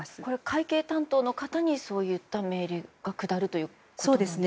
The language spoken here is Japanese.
会計担当の方にそういった命令が下るということですか？